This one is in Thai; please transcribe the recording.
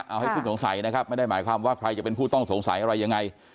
เอาให้สิ้นสงสัยนะครับไม่ได้หมายความว่าใครจะเป็นผู้ต้องสงสัยอะไรยังไง